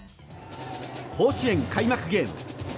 甲子園開幕ゲーム。